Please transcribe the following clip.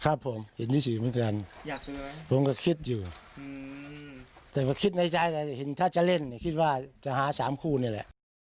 ครับผมเห็นวิสิก์เหมือนกันผมก็คิดอยู่แต่ว่าคิดในใจถ้าจะเล่นคิดว่าจะหา๓คู่นี่แหละ